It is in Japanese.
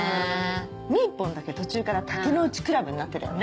みーぽんだけ途中から竹野内クラブになってたよね。